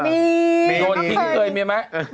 มีโยนทิ้งเคยมีไหม